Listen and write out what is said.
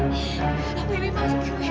makasih ya bu d silicone